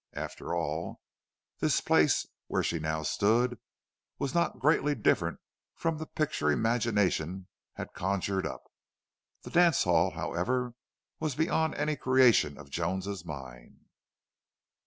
After all, this place where she now stood was not greatly different from the picture imagination had conjured up. That dance hall, however, was beyond any creation of Joan's mind.